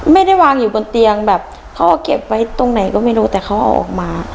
ไม่ได้วางอยู่บนเตียงแบบเขาก็เก็บไว้ตรงไหนก็ไม่รู้แต่เขาเอาออกมา